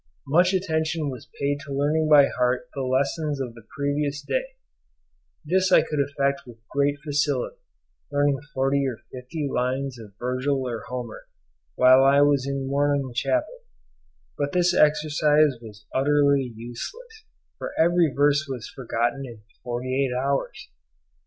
Much attention was paid to learning by heart the lessons of the previous day; this I could effect with great facility, learning forty or fifty lines of Virgil or Homer, whilst I was in morning chapel; but this exercise was utterly useless, for every verse was forgotten in forty eight hours.